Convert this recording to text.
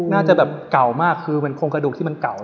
น่าจะเก่ามากคือมันคงกระดูกที่มันเก่าแล้ว